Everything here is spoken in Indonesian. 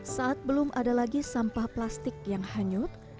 saat belum ada lagi sampah plastik yang hanyut